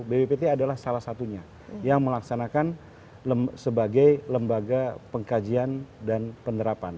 bppt adalah salah satunya yang melaksanakan sebagai lembaga pengkajian dan penerapan